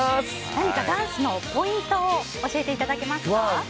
何かダンスのポイントを教えていただけますか。